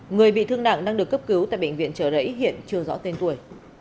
người bị thương nạn đang được cấp cứu tại bệnh viện trở đấy hiện chưa rõ tên tuổi